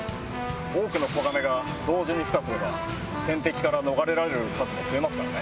多くの子ガメが同時にふ化すれば、天敵から逃れられる数も増えますからね。